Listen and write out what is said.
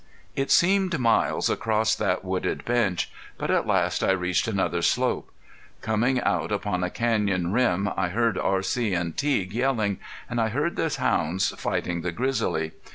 It seemed miles across that wooded bench. But at last I reached another slope. Coming out upon a canyon rim I heard R.C. and Teague yelling, and I heard the hounds fighting the grizzly.